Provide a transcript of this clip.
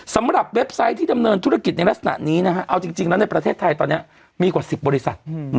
เว็บไซต์ที่ดำเนินธุรกิจในลักษณะนี้นะฮะเอาจริงแล้วในประเทศไทยตอนนี้มีกว่า๑๐บริษัท